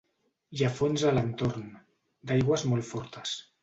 Hi ha fonts a l'entorn, d'aigües molt fortes.